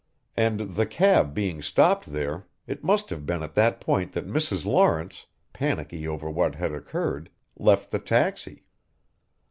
And, the cab being stopped there, it must have been at that point that Mrs. Lawrence panicky over what had occurred left the taxi."